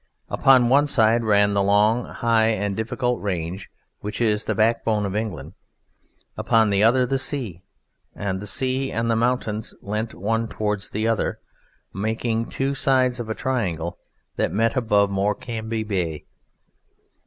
Upon one side ran the long, high, and difficult range which is the backbone of England; upon the other the sea, and the sea and the mountains leant one towards the other, making two sides of a triangle that met above Morecambe Bay.